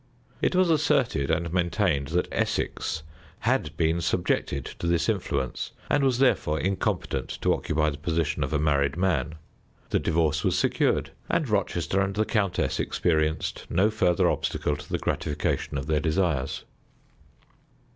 It was asserted and maintained that Essex had been subjected to this influence, and was therefore incompetent to occupy the position of a married man. The divorce was secured, and Rochester and the countess experienced no farther obstacle to the gratification of their desires.